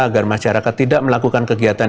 agar masyarakat tidak melakukan kegiatan